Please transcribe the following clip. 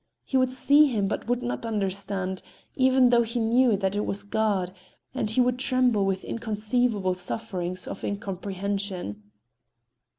He would see Him but would not understand, even though he knew that it was God, and he would tremble with inconceivable sufferings of incomprehension.